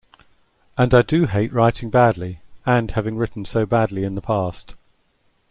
And I do hate writing badly-and having written so badly in the past.